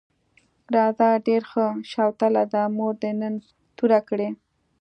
راځه ډېره ښه شوتله ده، مور دې نن توره کړې.